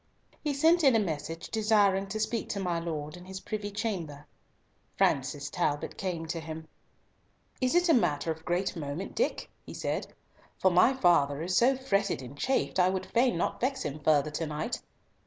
He sent in a message desiring to speak to my lord in his privy chamber. Francis Talbot came to him. "Is it matter of great moment, Dick?" he said, "for my father is so fretted and chafed, I would fain not vex him further to night.